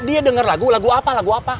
dia dengar lagu lagu apa